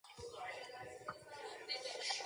Peppermint Patty agrees.